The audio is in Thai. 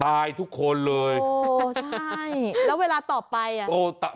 ตายทุกคนเลยโอ้ใช่แล้วเวลาต่อไปอ่ะโอ้ตาย